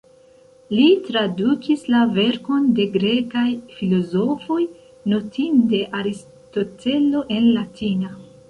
Li tradukis la verkon de grekaj filozofoj, notinde Aristotelo, en latina.